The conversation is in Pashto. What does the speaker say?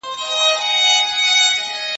زه ليکلي پاڼي ترتيب کړي دي،